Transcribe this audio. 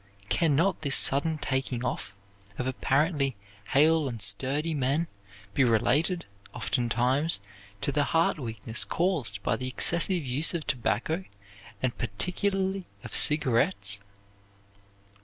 Can not this sudden taking off, of apparently hale and sturdy men be related, oftentimes to the heart weakness caused by the excessive use of tobacco and particularly of cigarettes?